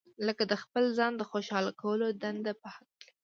لکه د خپل ځان د خوشاله کولو د دندې په هکله.